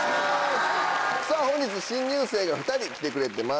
さぁ本日新入生が２人来てくれてます。